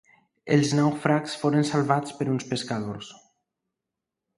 Els nàufrags foren salvats per uns pescadors.